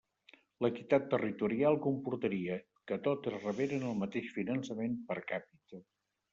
L'equitat territorial comportaria que totes reberen el mateix finançament per càpita.